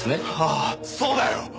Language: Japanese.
ああそうだよ！